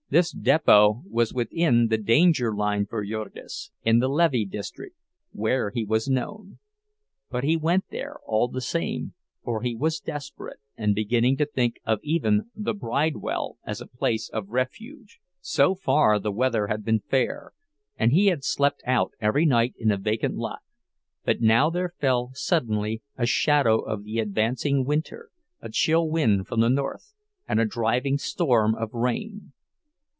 This depot was within the danger line for Jurgis—in the "Lêvée" district, where he was known; but he went there, all the same, for he was desperate, and beginning to think of even the Bridewell as a place of refuge. So far the weather had been fair, and he had slept out every night in a vacant lot; but now there fell suddenly a shadow of the advancing winter, a chill wind from the north and a driving storm of rain.